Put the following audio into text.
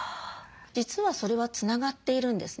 実はそれはつながっているんですね。